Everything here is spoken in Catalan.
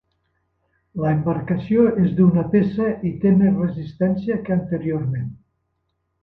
L'embarcació és d'una peça i té més resistència que anteriorment.